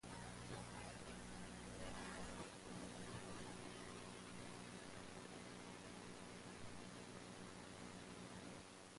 Dana was responsible for developing much of the early knowledge on Hawaiian volcanism.